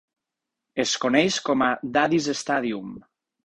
Es coneix com a Daddy's Stadium.